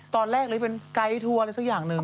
ตอนแรกเลยเป็นไกด์ทัวร์อะไรสักอย่างหนึ่ง